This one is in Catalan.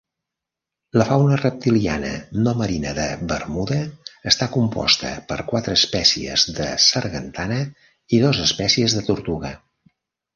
La fauna reptiliana no marina de Bermuda està composta per quatre espècies de sargantana i dos espècies de tortuga.